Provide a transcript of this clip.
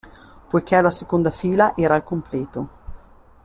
Poiché la seconda fila era al completo.